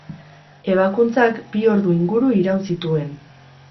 Ebakuntzak bi ordu inguru iraun zituen.